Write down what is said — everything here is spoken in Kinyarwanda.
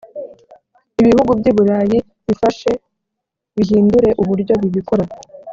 ibihugu by i burayi bifashe bihindure uburyo bibikora .